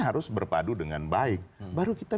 harus berpadu dengan baik baru kita